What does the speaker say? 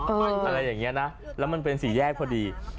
อะไรอย่างนี้นะแล้วมันเป็นสี่แยกพอดี